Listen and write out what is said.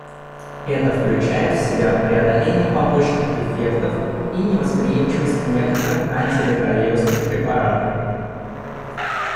Это включает в себя преодоление побочных эффектов и невосприимчивость к некоторым антиретровирусным препаратам.